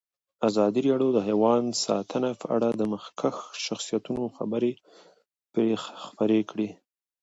ازادي راډیو د حیوان ساتنه په اړه د مخکښو شخصیتونو خبرې خپرې کړي.